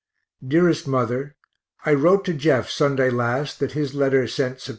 _ DEAREST MOTHER I wrote to Jeff Sunday last that his letter sent Sept.